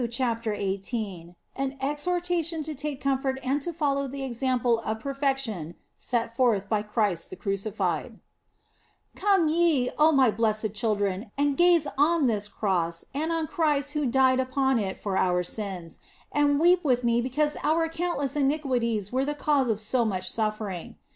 CHAPTER XVIII AN EXHORTATION TO TAKE COMFORT AND TO FOLLOW THE EXAMPLE OF PERFECTION SET FORTH BY CHRIST THE CRUCIFIED COME ye, oh my blessed children, and gaze on this Cross and on Christ who died upon it for our sins, and weep 94 THE BLESSED ANGELA with me because our countless iniquities were the cause of so much suffering.